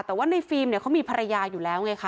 แต่ว่าในฟิล์มเนี่ยเขามีภรรยาอยู่แล้วไงคะ